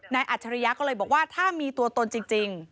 อัจฉริยะก็เลยบอกว่าถ้ามีตัวตนจริง